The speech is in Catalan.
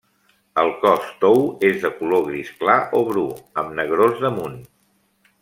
El cos tou és de color gris clar o bru, amb negrós damunt.